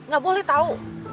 gak boleh tau